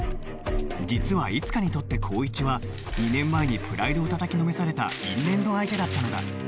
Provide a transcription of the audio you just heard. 実はいつかにとって紘一は２年前にプライドをたたきのめされた因縁の相手だったのだ